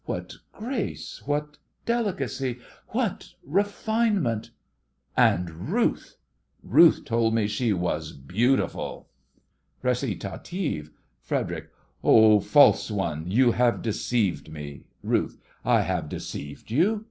What grace what delicacy what refinement! And Ruth— Ruth told me she was beautiful! RECITATIVE FREDERIC: Oh, false one, you have deceived me! RUTH: I have deceived you?